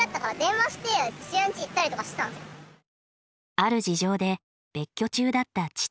ある事情で別居中だった父。